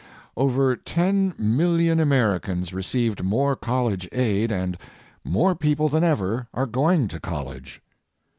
Over 10 million Americans received more college aid and more people than ever are going to college.